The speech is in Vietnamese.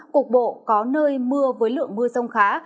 cục bộ có nơi mưa với lượng mưa rông khá